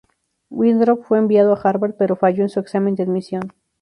Winthrop fue enviado a Harvard, pero falló en su examen de admisión.